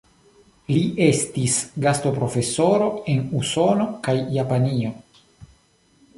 Li estis gastoprofesoro en Usono kaj Japanio.